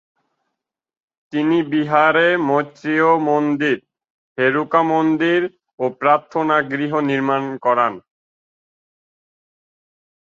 তিনি বিহারে মৈত্রেয় মন্দির, হেরুকা মন্দির ও প্রার্থনা গৃহ নির্মাণ করান।